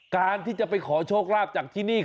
การที่จะไปขอโชคลาภจากที่นี่